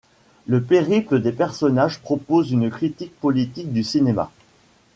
Le périple des personnages propose une critique politique du cinéma.